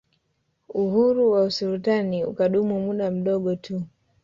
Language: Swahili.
Uhuru wa usultani ukadumu muda mdogo tu